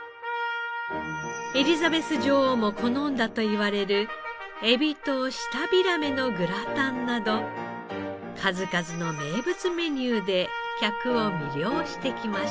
エリザベス女王も好んだといわれる海老と舌平目のグラタンなど数々の名物メニューで客を魅了してきました。